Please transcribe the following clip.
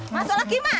masuk lagi emak